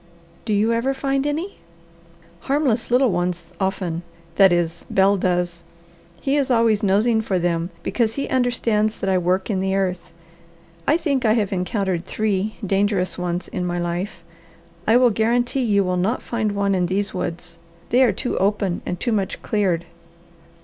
"Do you ever find any?" "Harmless little ones, often. That is, Bel does. He is always nosing for them, because he understands that I work in the earth. I think I have encountered three dangerous ones in my life. I will guarantee you will not find one in these woods. They are too open and too much cleared."